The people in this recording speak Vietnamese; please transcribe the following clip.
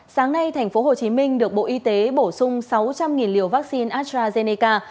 sáng nay tp hcm được bộ y tế bổ sung sáu trăm linh liều vaccine astrazeneca